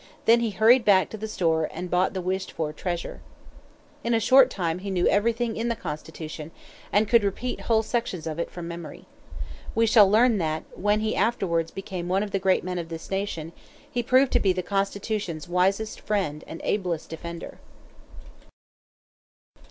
Then he hurried back to the store and bought the wished for treasure. In a short time he knew everything in the Constitution, and could repeat whole sections of it from memory. We shall learn that, when he afterwards became one of the great men of this nation, he proved to be the Constitution's wisest friend and ablest defender.